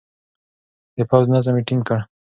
د پوځ نظم يې ټينګ کړ.